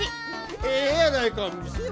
ええやないか。